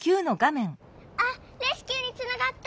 あっレスキューにつながった！